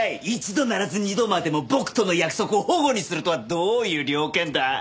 一度ならず二度までも僕との約束をほごにするとはどういう了見だ！？